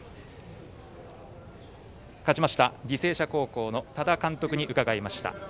勝ちました履正社高校の多田監督に伺いました。